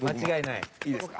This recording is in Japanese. いいですか？